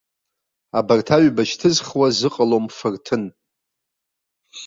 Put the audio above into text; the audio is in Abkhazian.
Абарҭ аҩба шьҭызхуа зыҟалом фырҭын.